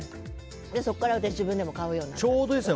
そこから自分でも買うようになった。